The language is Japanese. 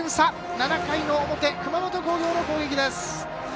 ７回の表、熊本工業の攻撃です。